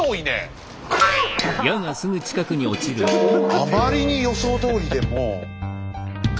あまりに予想どおりでもう。